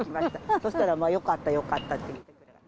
そうしたら、よかったよかったって。